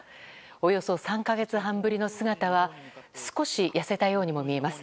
およそ３か月半ぶりの姿は少し痩せたようにも見えます。